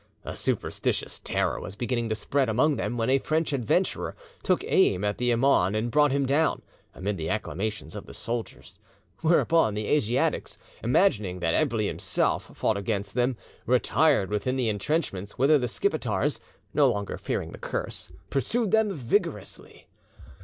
A superstitious terror was beginning to spread among them, when a French adventurer took aim at the Imaun and brought him down, amid the acclamations of the soldiers; whereupon the Asiatics, imagining that Eblis himself fought against them, retired within the intrenchments, whither the Skipetars, no longer fearing the curse, pursued them vigorously.